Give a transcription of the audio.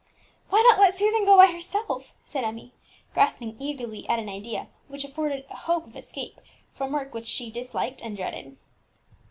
"Why not let Susan go by herself?" said Emmie, grasping eagerly at an idea which afforded a hope of escape from work which she disliked and dreaded.